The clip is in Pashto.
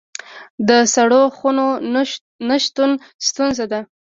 د سړو خونو نشتون ستونزه ده